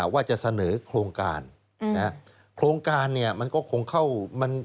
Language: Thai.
ว่าจะเสนอโครงการโครงการเนี่ยมันก็คงเข้ามัน